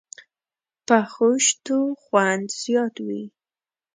پخو شتو خوند زیات وي